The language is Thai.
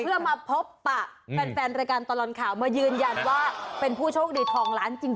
เพื่อมาพบปะแฟนรายการตลอดข่าวมายืนยันว่าเป็นผู้โชคดีทองล้านจริง